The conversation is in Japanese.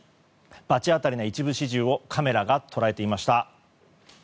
罰当たりな一部始終をカメラが捉えていました。